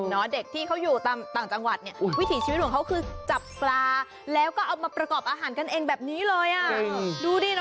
ใช่ไหมคะคือมันเป็นเหมือนวิถีชีวิตของเด็กเขาค่ะคุณผู้ชม